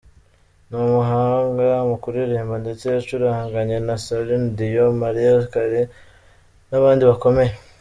Ni umuhanga mu kuririmba ndetse yacuranganye na Celine Dion, Mariah Carey n’abandi bakomeye.